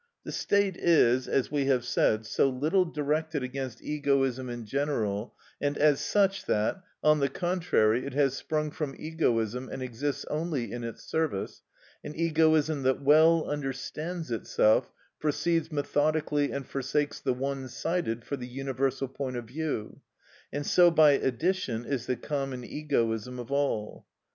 The state is, as we have said, so little directed against egoism in general and as such, that, on the contrary, it has sprung from egoism and exists only in its service—an egoism that well understands itself, proceeds methodically and forsakes the one sided for the universal point of view, and so by addition is the common egoism of all.